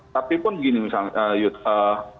tapi pun gini misalnya yudha